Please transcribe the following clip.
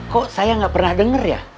kok saya gak pernah dengar ya